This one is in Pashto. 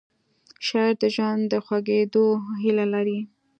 شاعر د ژوند د خوږېدو هیله لري